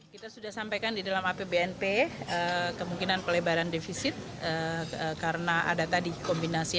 kita sudah sampaikan di dalam apbnp kemungkinan pelebaran defisit karena ada tadi kombinasi